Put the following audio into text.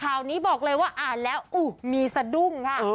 ข่าวนี้บอกเลยว่าอ่านแล้วมีสะดุ้งค่ะ